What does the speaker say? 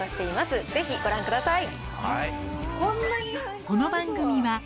ぜひご覧ください。